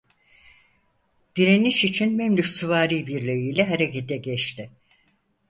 Direniş için Memlük süvari birliği ile harekete geçti.